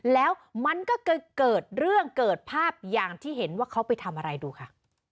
แล้วมันก็เกิดเรื่องเกิดภาพอย่างที่เห็นว่าเขาไปทำอะไรดูค่ะ